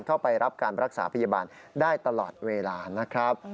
เข้าไปรับการรักษาพยาบาลได้ตลอดเวลานะครับ